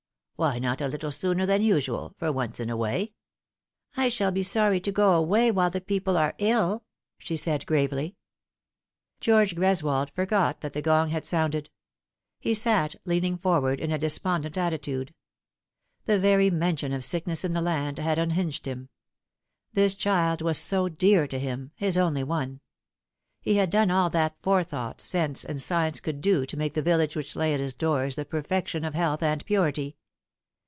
" Why not a little sooner than usual, for once in a way ?"" I shall be sorry to go away while the people are ill," she said gravely. George Greswold forgot that the gong had sounded. He sat, leaning forward, in a despondent attitude. The very mention of sickness in the land had unhinged him. This child was so dear to him, his only one. He had done all that forethought, sense, and science could do to make the village which lay at his doors the perfection of health and purity.